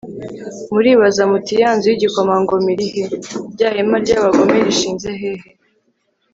muribaza muti 'ya nzu y'igikomangoma iri he? rya hema ry'abagome rishinze hehe